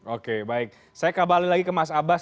oke baik saya kembali lagi ke mas abbas